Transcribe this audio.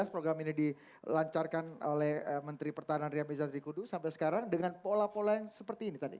program ini dilancarkan oleh menteri pertahanan ria miza trikudu sampai sekarang dengan pola pola yang seperti ini tadi